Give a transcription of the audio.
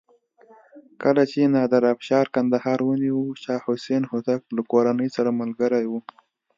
کله چې نادر افشار کندهار ونیو شاه حسین هوتک له کورنۍ سره ملګری و.